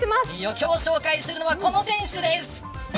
今日紹介するのはこの選手です。